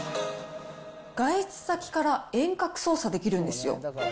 外出先から遠隔操作できるんですよ。